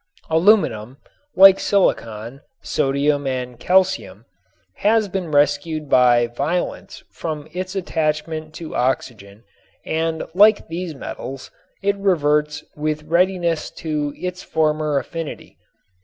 Aluminum, like silicon, sodium and calcium, has been rescued by violence from its attachment to oxygen and like these metals it reverts with readiness to its former affinity.